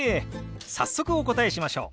早速お答えしましょう。